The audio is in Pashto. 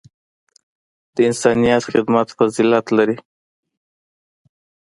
د انسانیت خدمت فضیلت دی.